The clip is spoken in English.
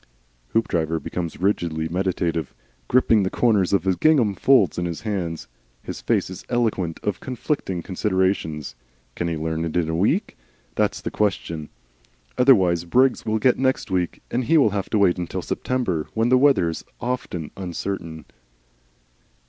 Hoopdriver becomes rigidly meditative, gripping the corners of the gingham folds in his hands. His face is eloquent of conflicting considerations. Can he learn it in a week? That's the question. Otherwise Briggs will get next week, and he will have to wait until September when the weather is often uncertain.